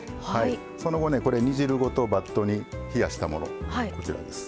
その後ねこれ煮汁ごとバットに冷やしたものこちらです。